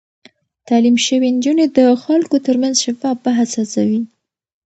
تعليم شوې نجونې د خلکو ترمنځ شفاف بحث هڅوي.